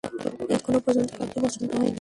এখনো পর্যন্ত কাউকে পছন্দ হয়নি।